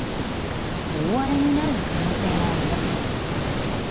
大荒れになる可能性があります。